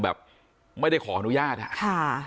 แบบไม่ได้ขออนุญาตอะค่ะ